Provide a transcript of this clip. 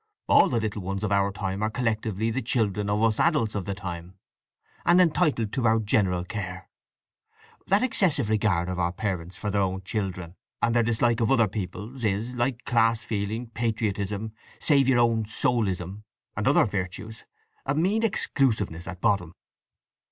All the little ones of our time are collectively the children of us adults of the time, and entitled to our general care. That excessive regard of parents for their own children, and their dislike of other people's, is, like class feeling, patriotism, save your own soul ism, and other virtues, a mean exclusiveness at bottom."